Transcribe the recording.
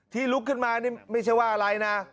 ลุกขึ้นมานี่ไม่ใช่ว่าอะไรนะ